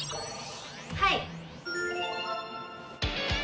はい！